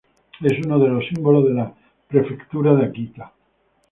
Es uno de los símbolos de la prefectura de Akita.